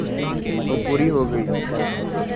وہ پوری ہو گئی۔